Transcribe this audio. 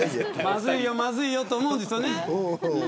まずいよ、まずいよと思うんですよね。